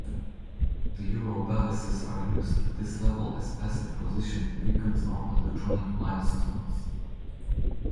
The Eurobalises are used at this level as passive positioning beacons or "electronic milestones".